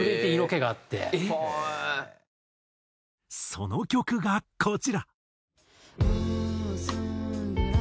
その曲がこちら。